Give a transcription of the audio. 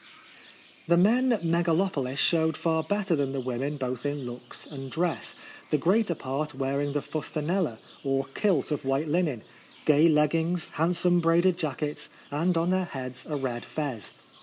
The men at Megalopolis showed far better than the women both in looks and dress, the greater part wearing the fustaneUa, or kilt of white linen, gay leggings, handsome braided jackets, and on their heads a red fez.